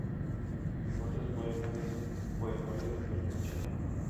Otros poemas es un poemario de Antonio Machado.